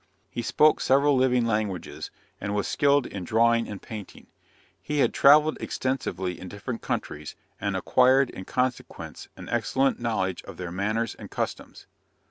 He spoke several living languages, and was skilled in drawing and painting. He had travelled extensively in different countries, and acquired in consequence an excellent knowledge of their manners and customs.